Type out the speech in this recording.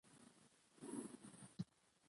د زور کارول ستونزې زیاتوي